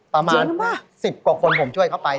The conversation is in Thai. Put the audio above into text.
ประมาณ๑๐กว่าคนผมช่วยเขาไป